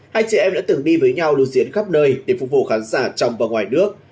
hai trẻ em đã từng đi với nhau lưu diễn khắp nơi để phục vụ khán giả trong và ngoài nước